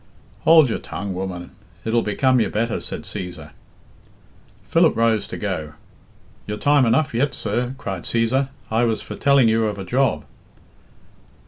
"Hould your tongue, woman; it'll become you better," said Cæsar. Philip rose to go. "You're time enough yet, sir," cried Cæsar. "I was for telling you of a job."